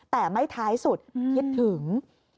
แต่ไม่ท้ายสุดคิดถึง